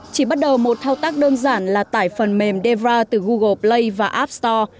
chỉ bắt đầu một thao tác đơn giản là tải phần mềm devra từ google play và app store